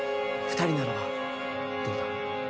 二人ならばどうだ？